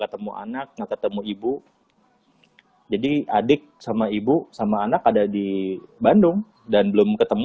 ketemu anak nggak ketemu ibu jadi adik sama ibu sama anak ada di bandung dan belum ketemu